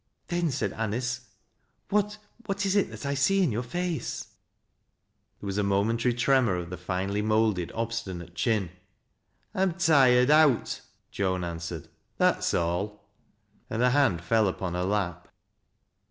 " Then," said Anice, " what — what is it that I see in your face ?" There was a momentary tremor of the finely moulded, obstinate chin. " I'm tired out," Joan answered. " That's all," and her hand fell upon her lap.